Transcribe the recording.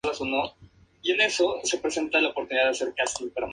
Tiene dos especies de arbustos.